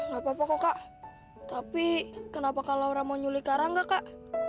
gak apa apa kok kak tapi kenapa kalau orang mau nyulih karang gak kak